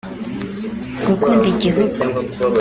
gukunda igihugu